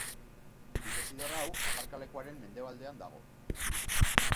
Bidezidor hau, aparkalekuaren mendebaldean dago.